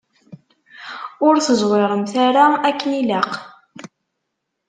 Ur teẓwiremt ara akken ilaq.